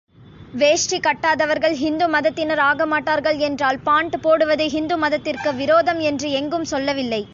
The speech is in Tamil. வேஷ்டி கட்டாதவர்கள் ஹிந்து மதத்தினர் ஆகமாட்டார்கள் என்றால், பாண்ட் போடுவது ஹிந்து மதத்திற்கு விரோதம் என்று எங்கும் சொல்லவில்லை.